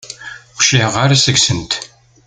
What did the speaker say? Ur cliɛeɣ ara seg-sent.